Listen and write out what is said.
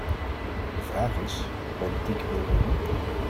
De vraag is: politieke wil bij wie?